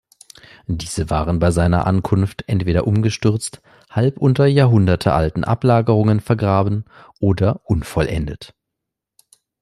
Diese waren bei seiner Ankunft entweder umgestürzt, halb unter jahrhundertealten Ablagerungen vergraben, oder unvollendet.